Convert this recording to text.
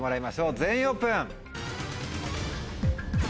全員オープン。